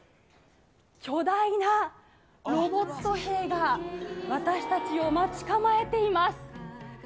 巨大なロボット兵が、私たちを待ち構えています。